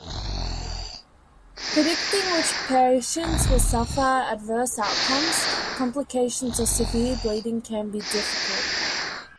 Predicting which patients will suffer adverse outcomes, complications or severe bleeding can be difficult.